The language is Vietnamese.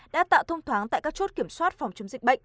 đã tạo thông thoáng tại các chốt kiểm soát phòng chống dịch bệnh